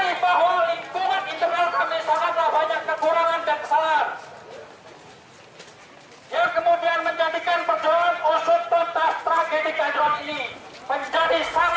kemudian menjadikan perjuangan